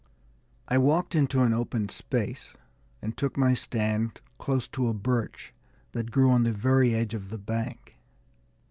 I walked into an open space, and took my stand close to a birch that grew on the very edge of the bank.